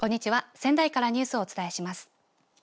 仙台からニュースをお伝えします。